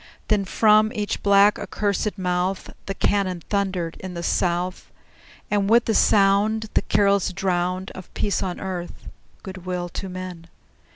Then from each black, accursed mouth The cannon thundered in the South, And with the sound The carols drowned Of peace on earth, good will to men!